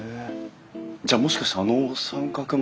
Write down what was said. じゃあもしかしてあの三角窓。